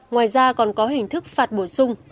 ngoài ra còn có hình thức phạt bổ sung